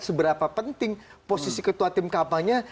seberapa penting posisi ketua tim kampanye